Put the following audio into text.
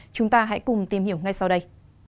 chúng ta hãy cùng tìm hiểu ngay sau đây